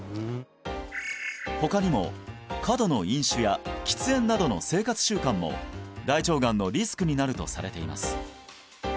他にも過度の飲酒や喫煙などの生活習慣も大腸がんのリスクになるとされています